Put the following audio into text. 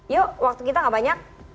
yuk waktu kita gak banyak